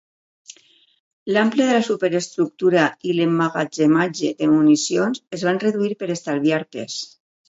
L'ample de la superestructura i l'emmagatzematge de municions es van reduir per estalviar pes.